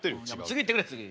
次いってくれ次。